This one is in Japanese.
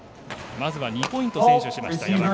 まずは２ポイント先取した山口。